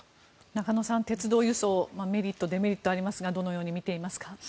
中野さん、鉄道輸送メリット、デメリットありますがどのように見ていますか。